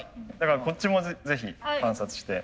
こっちもぜひ観察して。